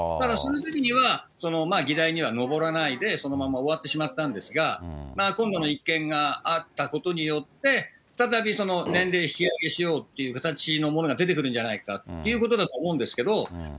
そのときには議題には上らないで、そのまま終わってしまったんですが、今度の一件があったことによって、再び年齢引き上げしようという形のものが出てくるんじゃないかということだと思うんですけど。